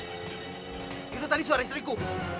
itu tadi suara istriku